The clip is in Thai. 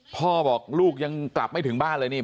พ่อบอกลูกยังกลับไม่ถึงบ้านเลยนี่